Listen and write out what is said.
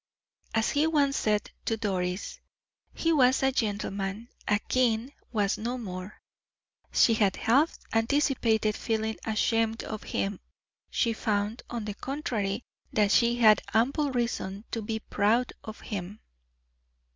As he once said to Doris, "He was a gentleman a king was no more." She had half anticipated feeling ashamed of him; she found, on the contrary, that she had ample reason to be proud of him.